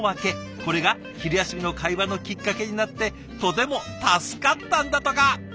これが昼休みの会話のきっかけになってとても助かったんだとか。